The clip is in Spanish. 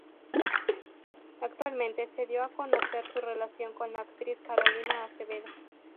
Actualmente se dio a conocer su relación con la actriz Carolina Acevedo.